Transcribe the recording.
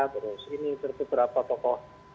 terus ini beberapa tokoh